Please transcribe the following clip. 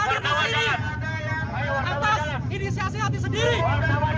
tidak dibawa tidak hadir di sini atas inisiasi hati sendiri hidup di kita hidup di sana